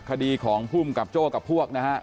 คดีของภูมิกับโจ้กับพวกนะฮะ